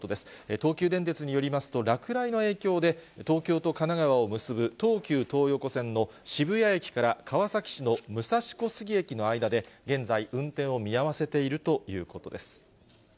東急電鉄によりますと、落雷の影響で東京と神奈川を結ぶ東急東横線の渋谷駅から川崎市の武蔵小杉駅の間で、現在、運転を見合わせているということです。